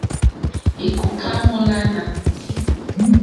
Èkòká mólánà.